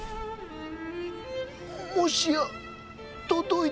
もしや届いたのか。